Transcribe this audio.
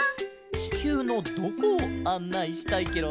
ちきゅうのどこをあんないしたいケロ？